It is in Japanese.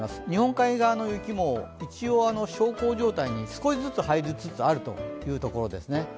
日本海側の雪も一応、小康状態に少しずつ入りつつあるというところですね。